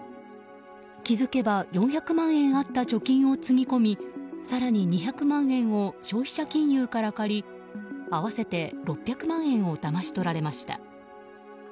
気づけば４００万円あった貯金をつぎ込み更に２００万円を消費者金融から借り合わせて６００万円をだまし取られました。